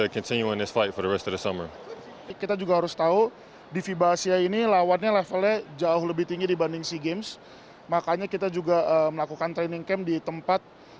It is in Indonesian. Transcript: kita juga harus tahu di fiba asia ini lawannya levelnya jauh lebih tinggi dibanding sea games makanya kita juga melakukan training camp di tempat